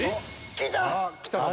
来た！